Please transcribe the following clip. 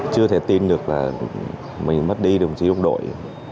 chưa thể tin được là mình mất đi đồng chí đồng đội